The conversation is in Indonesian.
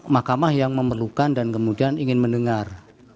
makamah yang memerlukan dan kemudian ingin mendengar